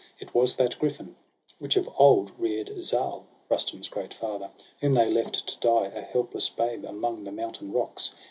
It was that griffin, which of old rear'd Zal, Rustum's great father, whom they left to die, SOHRAB AND RUSTUM. 113 A helpless babe, among the mountain rocks.